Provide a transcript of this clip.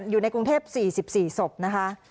อยู่ในกรุงเทพ๔๔ศพนะคะ